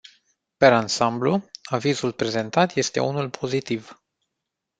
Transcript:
Per ansamblu, avizul prezentat este unul pozitiv.